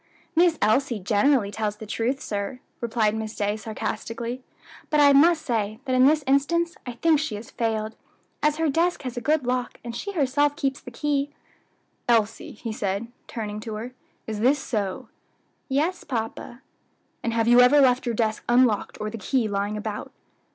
"Miss Elsie generally tells the truth, sir," replied Miss Day, sarcastically, "but I must say that in this instance I think she has failed, as her desk has a good lock, and she herself keeps the key." "Elsie," he asked, turning to her, "is this so?" "Yes, papa." "And have you ever left your desk unlocked, or the key lying about?"